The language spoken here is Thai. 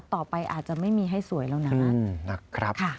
ต่อไปอาจจะไม่มีให้สวยแล้วนะครับ